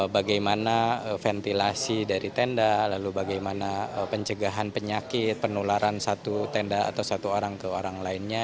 bagaimana ventilasi dari tenda lalu bagaimana pencegahan penyakit penularan satu tenda atau satu orang ke orang lainnya